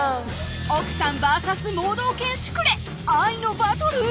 奥さんＶＳ盲導犬・シュクレ愛のバトル？